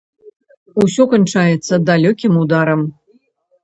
Усё канчаецца далёкім ударам.